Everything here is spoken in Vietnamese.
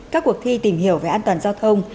các cuộc thi tìm hiểu về an toàn giao thông